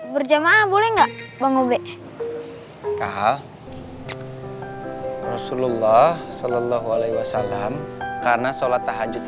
berjamaah boleh nggak bangube khal rasulullah shallallahu alaihi wasallam karena sholat tahajud